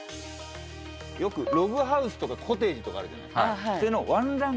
よくログハウスとかコテージとかあるじゃないですか。